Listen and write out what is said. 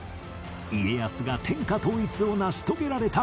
家康が天下統一を成し遂げられた理由